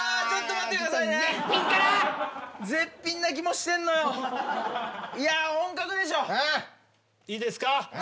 「絶品」かな「絶品」な気もしてんのよいや「本格」でしょいいですか？